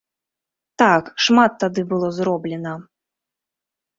Так, шмат тады было зроблена!